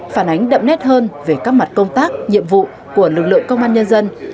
phản ánh đậm nét hơn về các mặt công tác nhiệm vụ của lực lượng công an nhân dân